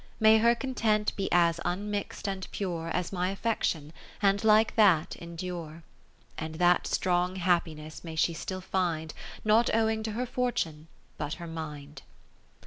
May her Content be as unmix'd and pure As my Affection, and like that endure ; 10 And that strong happiness may she still find Not owing to her fortune, but her mind.